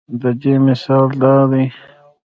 د دې مثال دا دے